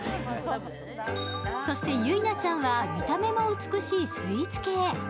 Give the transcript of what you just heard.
そしてゆいなちゃんは見た目も美しいスイーツ系。